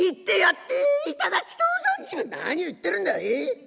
「何を言ってるんだええ。